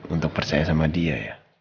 untuk percaya sama dia ya